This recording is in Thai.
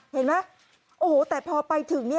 เห็นไหมโอ้โหแต่พอไปถึง